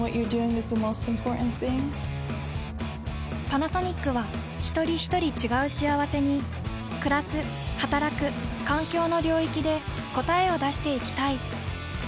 パナソニックはひとりひとり違う幸せにくらすはたらく環境の領域で答えを出していきたい。